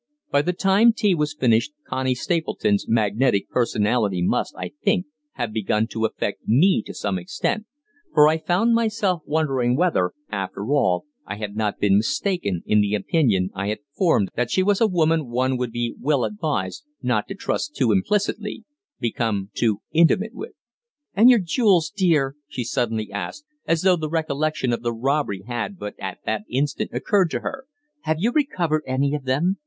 By the time tea was finished Connie Stapleton's magnetic personality must, I think, have begun to affect me to some extent, for I found myself wondering whether, after all, I had not been mistaken in the opinion I had formed that she was a woman one would be well advised not to trust too implicitly become too intimate with. "And your jewels, dear!" she suddenly asked, as though the recollection of the robbery had but at that instant occurred to her. "Have you recovered any of them?